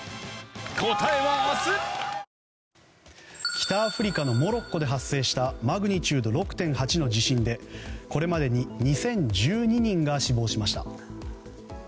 北アフリカのモロッコで発生したマグニチュード６．８の地震でこれまでに２０１２人が死亡しました。